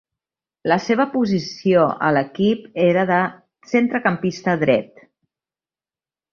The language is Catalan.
La seva posició a l'equip era de centrecampista dret.